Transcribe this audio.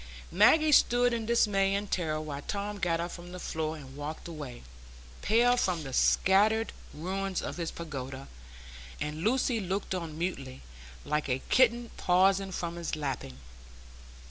Maggie stood in dismay and terror, while Tom got up from the floor and walked away, pale, from the scattered ruins of his pagoda, and Lucy looked on mutely, like a kitten pausing from its lapping.